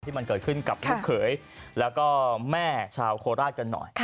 มันเกิดขึ้นกับลูกเขยแล้วก็แม่ชาวโคราชกันหน่อย